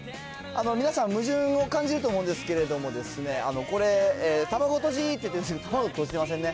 皆さん、矛盾を感じると思うんですけれども、これ、卵とじって言ってますけど、卵とじてませんね。